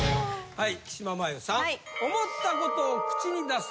はい。